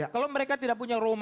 kalau mereka tidak punya roma